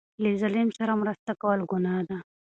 له ظالم سره مرسته کول ګناه ده.